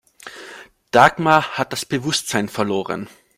Dagmar hat das Bewusstsein verloren.